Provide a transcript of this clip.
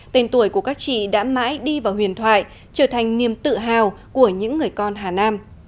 tên tuổi của các chị đã mãi đi vào huyền thoại trở thành niềm tự hào của những người con hà nam